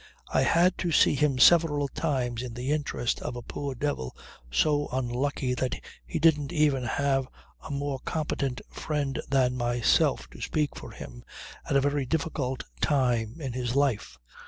I had to see him several times in the interest of a poor devil so unlucky that he didn't even have a more competent friend than myself to speak for him at a very difficult time in his life.